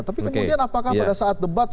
tapi kemudian apakah pada saat debat